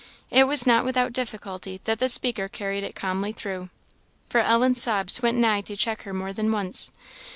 It was not without difficulty that the speaker carried it calmly through, for Ellen's sobs went nigh to check her more than once.